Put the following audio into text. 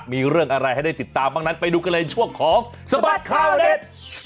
มีเรื่องอะไรให้ได้ติดตามบ้างนั้นไปดูกันเลยช่วงของสบัดข่าวเด็ด